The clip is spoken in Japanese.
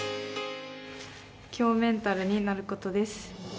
強メンタルになることです。